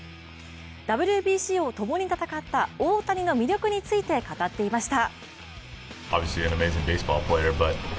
ＷＢＣを共に戦った大谷の魅力について語っていました。